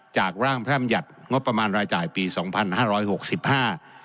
จากร่างพระอำหยัติงบประมาณรายจ่ายปีสองพันห้าร้อยหกสิบห้า